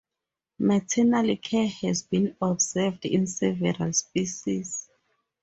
Maternal care has been observed in several species.